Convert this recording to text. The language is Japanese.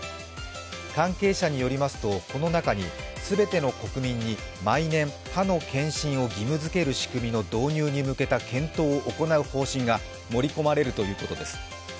関係者によりますと、この中に全ての国民に毎年歯の検診を義務づける仕組みの導入に向けた検討を行う方針が盛り込まれるということです。